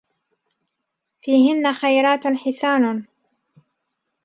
فيهِنَّ خَيراتٌ حِسانٌ